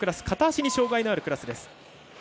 片足に障がいのあるクラスです。